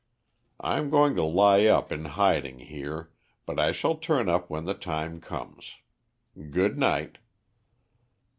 I am going to lie up in hiding here, but I shall turn up when the time comes. Good night."